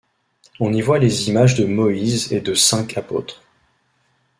On y voit les images de Moïse et de cinq apôtres.